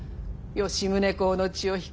吉宗公の血を引く